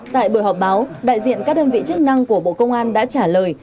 tại buổi họp báo đại diện các đơn vị chức năng của bộ công an đã trả lời